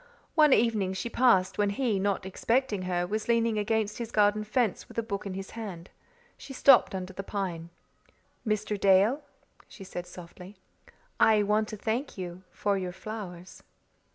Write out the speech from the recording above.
One evening she passed when he, not expecting her, was leaning against his garden fence with a book in his hand. She stopped under the pine. "Mr. Dale," she said softly, "I want to thank you for your flowers."